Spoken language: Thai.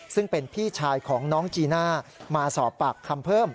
ซึ่งเป็นพี่ชายของน้องจีน่ามาสอบปากคำเพิ่ม